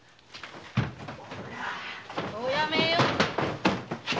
おやめよ。